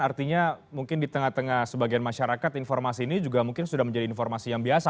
artinya mungkin di tengah tengah sebagian masyarakat informasi ini juga mungkin sudah menjadi informasi yang biasa